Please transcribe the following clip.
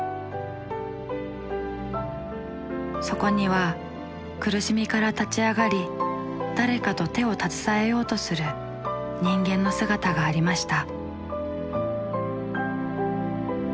そこには苦しみから立ち上がり誰かと手を携えようとする人間の姿がありました。